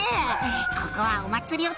「ここはお祭り男